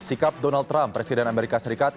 sikap donald trump presiden amerika serikat